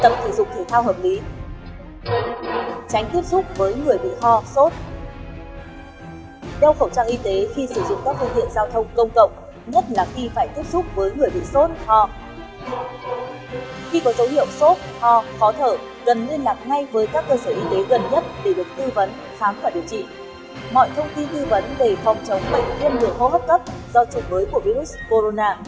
mọi thông tin tư vấn về phòng chống bệnh viêm đường hô hấp cấp do chủng mới của virus corona